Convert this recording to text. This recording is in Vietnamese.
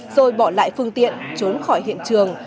rồi bỏ lại phương tiện trốn khỏi hiện trường